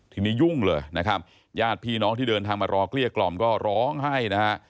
ทีนี้ยุ่งเลยนะครับญาติพี่น้องที่เดินทางมารอเกลี้ยกล่อมก็ร้องไห้นะฮะ